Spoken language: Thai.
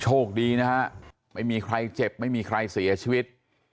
โชคดีนะฮะไม่มีใครเจ็บไม่มีใครเสียชีวิต